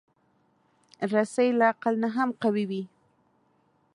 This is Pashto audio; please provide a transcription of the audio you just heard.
رسۍ له عقل نه هم قوي وي.